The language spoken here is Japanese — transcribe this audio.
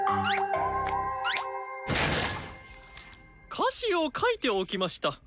歌詞を書いておきました。